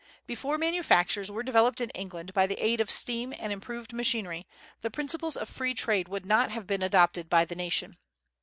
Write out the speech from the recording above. Before manufactures were developed in England by the aid of steam and improved machinery, the principles of free trade would not have been adopted by the nation.